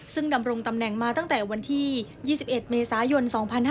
ซึ่งดำรงตำแหน่งมาตั้งแต่วันที่๒๑เมษายน๒๕๕๙